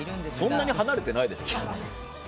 そんなに離れてないでしょ。